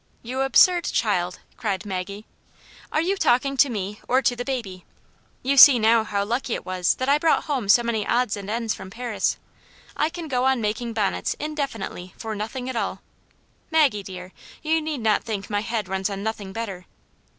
" You absurd child !'* cried Maggie. "Are you talking to me ot >lo >Jc^^\«ia^X "^^^^ 228 Aunt Jane's Hero. see now how lucky it was that I brought home so many odds and ends from Paris. I can go on making bonnets indefinitely for nothing at all. Maggie dear, you need not think my head runs on nothing better."